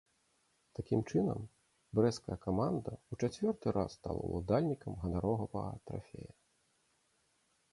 Такім чынам, брэсцкая каманда ў чацвёрты раз стала ўладальнікам ганаровага трафея.